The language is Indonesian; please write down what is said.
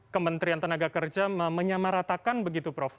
kementerian tenaga kerja menyamaratakan begitu prof